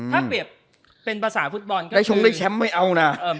ถ้าเปรียบเป็นภาษาฟุตบอลก็ได้ชงได้แชมป์ไม่เอานะ